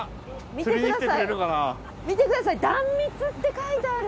見てください壇蜜って書いてある。